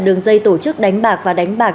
đường dây tổ chức đánh bạc và đánh bạc